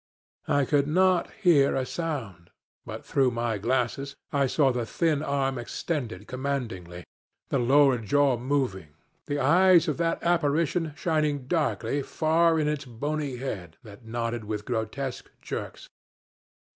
I could not hear a sound, but through my glasses I saw the thin arm extended commandingly, the lower jaw moving, the eyes of that apparition shining darkly far in its bony head that nodded with grotesque jerks.